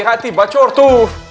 makasih baca waktu